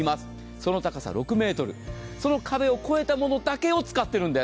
その高さ６ｍ、その壁を越えたものだけを使っているんです。